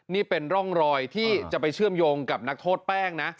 นี่เป็นร่องรอยที่จะไปเชื่อมโยงกับนักโทษแป้งนะ